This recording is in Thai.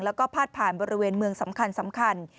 แล้วก็พาดผ่านบริเวณเมืองสำคัญสำคัญ